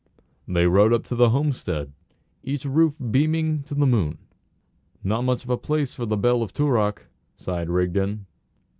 They rode up to the homestead, with each roof beaming to the moon. "Not much of a place for the belle of Toorak," sighed Rigden.